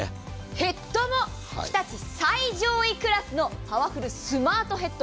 ヘッドも日立最上位クラスのパワフルスマートヘッド。